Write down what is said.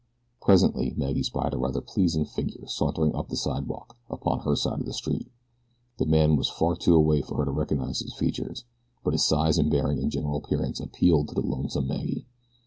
Presently Maggie spied a rather pleasing figure sauntering up the sidewalk upon her side of the street. The man was too far away for her to recognize his features, but his size and bearing and general appearance appealed to the lonesome Maggie.